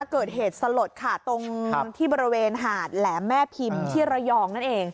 มีอย่างเกิดเหตุโสดค่ะตรงบริเวณหาดแหลมแม่พิมที่ระยองนั่นเอง